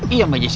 iya mbak jessy